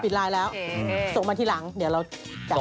ปิดไลน์แล้วส่งมาที่หลังเดี๋ยวเราจำมาให้